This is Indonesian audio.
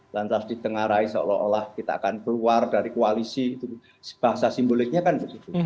lantas ditengarai seolah olah kita akan keluar dari koalisi itu bahasa simboliknya kan begitu